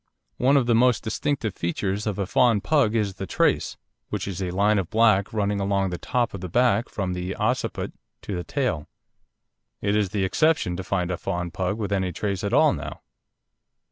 One of the most distinctive features of a fawn Pug is the trace, which is a line of black running along the top of the back from the occiput to the tail. It is the exception to find a fawn Pug with any trace at all now.